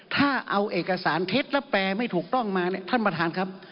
ถ้าเอาเอกสารเท็จและแปลไม่ถูกต้องมาเนี่ยท่านประธานครับ